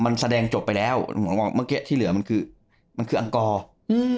มันแสดงจบไปแล้วผมว่าเมื่อกี้ที่เหลือมันคือมันคืออังกรอืม